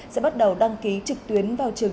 sẽ bắt đầu đăng ký trực tuyến vào trường